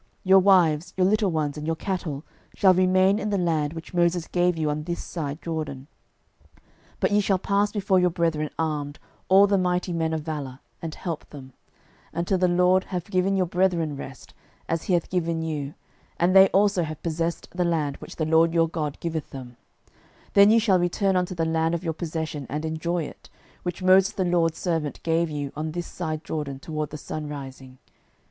06:001:014 Your wives, your little ones, and your cattle, shall remain in the land which Moses gave you on this side Jordan; but ye shall pass before your brethren armed, all the mighty men of valour, and help them; 06:001:015 Until the LORD have given your brethren rest, as he hath given you, and they also have possessed the land which the LORD your God giveth them: then ye shall return unto the land of your possession, and enjoy it, which Moses the LORD's servant gave you on this side Jordan toward the sunrising.